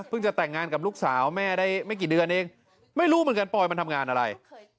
จะแต่งงานกับลูกสาวแม่ได้ไม่กี่เดือนเองไม่รู้เหมือนกันปอยมันทำงานอะไร